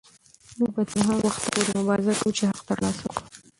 موږ به تر هغه وخته مبارزه کوو چې حق ترلاسه کړو.